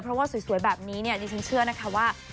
เพราะว่าสวยแบบนี้เนี่ยดิฉันเชื่อนะคะว่า